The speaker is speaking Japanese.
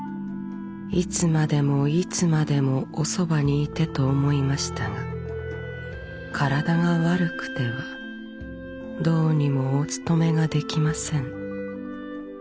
いつ迄もいつ迄もおそばに居てと思いましたがからだが悪くてはどうにもおつとめが出来ません。